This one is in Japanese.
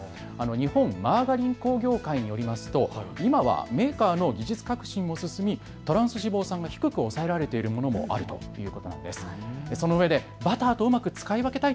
日本マーガリン工業会によりますと今はメーカーの技術革新も進み、トランス脂肪酸が低く抑えられているものもあるということです。